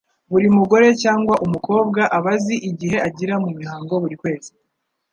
Buri mugore cg umukobwa aba azi igihe agira mu mihango buri kwezi